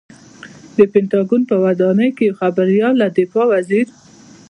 د پنټاګون په ودانۍ کې یوه خبریال له دفاع وزیر